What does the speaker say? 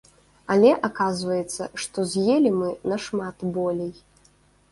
Але аказваецца, што з'елі мы нашмат болей.